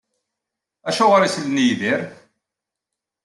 Acuɣer i sellen i Yidir?